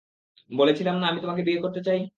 বলেছিলাম না, আমি তোমাকে বিয়ে করতে চাই।